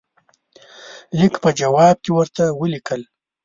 لیک په جواب کې ورته ولیکل.